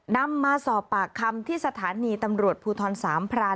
นำมาสอบปากคำที่สถานีตำรวจภูทรสามพราน